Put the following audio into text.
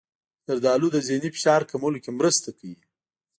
زردالو د ذهني فشار کمولو کې مرسته کوي.